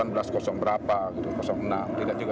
satu ratus delapan puluh berapa seribu delapan ratus enam tidak juga